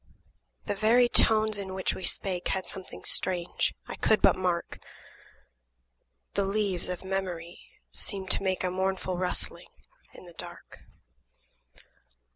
The very tones in which we spake Had something strange, I could but mark; The leaves of memory seemed to make A mournful rustling in the dark.